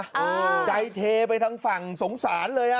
อ้าวใจเทไปทั้งฝั่งสงสารเลย